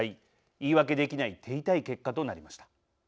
言い訳できない手痛い結果となりました。